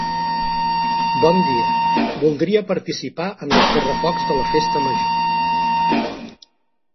Bon dia, voldria participar en els correfocs de la festa major.